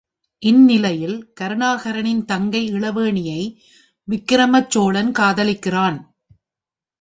இந்நிலையில் கருணாகரனின் தங்கை இளவேணியை விக்கிரமச் சோழன் காதலிக்கிறான்.